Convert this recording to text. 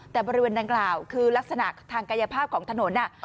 แต่บริเวณดังกล่าวคือลักษณะทางกายภาพของถนน